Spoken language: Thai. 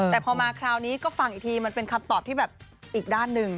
แต่พอมาคราวนี้ก็ฟังอีกทีมันเป็นคำตอบที่แบบอีกด้านหนึ่ง